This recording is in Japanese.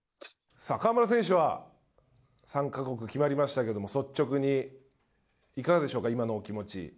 河村選手は３か国決まりましたが率直に、いかがでしょうか今のお気持ち。